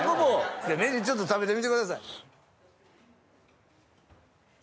名人ちょっと食べてみてください。